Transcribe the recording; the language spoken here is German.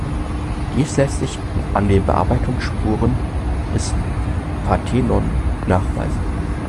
Dies lässt sich an den Bearbeitungsspuren des Parthenon nachweisen.